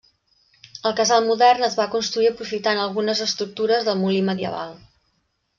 El casal modern es va construir aprofitant algunes estructures del molí medieval.